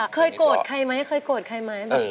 เคยโกรธใครไหมทำไมไง